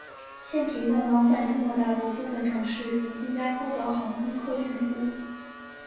现提供往返中国大陆部分城市及新加坡的航空客运服务。